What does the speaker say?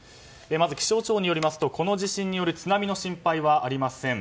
まず気象庁によりますとこの地震による津波の心配はありません。